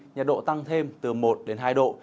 nhiệt độ tăng thêm từ một đến hai độ